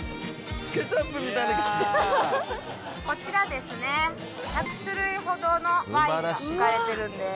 こちらですね１００種類ほどのワインが置かれてるんです。